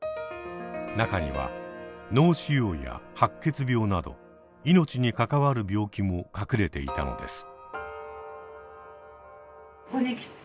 中には脳腫瘍や白血病など命に関わる病気も隠れていたのです。